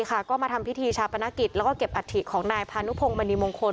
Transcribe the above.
ก็มาทำพิธีชาปนกิจและเก็บอัตภิกษ์ของนายพานุพงศ์มณีมงคล